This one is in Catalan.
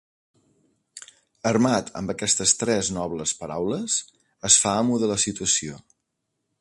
Armat amb aquestes tres nobles paraules, es fa amo de la situaciò.